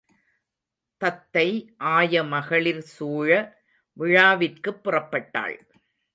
தத்தை ஆயமகளிர் சூழ விழாவிற்குப் புறப்பட்டாள்.